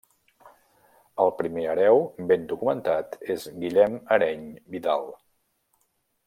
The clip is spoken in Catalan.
El primer hereu ben documentat és Guillem Areny Vidal.